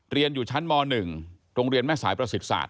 เรียนอยู่ชั้นม๑โรงเรียนแม่สายประสิทศาสต